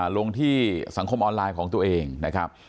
ลงที่สังคมออนไลน์ของตัวเองนะครับ